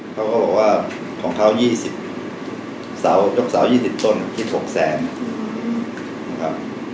เขาก็บอกว่าของเขายกเสา๒๐ต้นคิด๖๐๐๐๐๐บาท